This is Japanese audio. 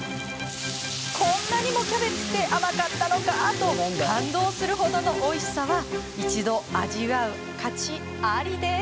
こんなにもキャベツって甘かったのか！と感動する程のおいしさは一度、味わう価値ありです。